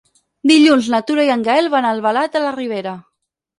Dilluns na Tura i en Gaël van a Albalat de la Ribera.